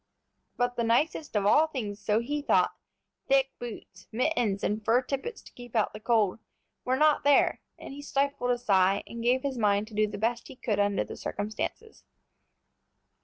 But the nicest of all things, so he thought, thick boots, mittens, and fur tippets to keep out the cold, were not there, and he stifled a sigh, and gave his mind to do the best he could under the circumstances.